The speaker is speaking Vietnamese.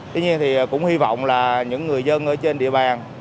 tuy nhiên thì cũng hy vọng là những người dân ở trên địa bàn